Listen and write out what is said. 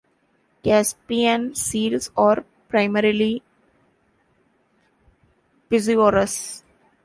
Caspian seals are primarily piscivorous.